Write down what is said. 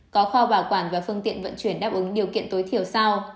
có kho bảo quản và phương tiện vận chuyển đáp ứng điều kiện tối thiểu sau